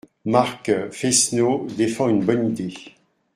Marc Fesneau défend une bonne idée.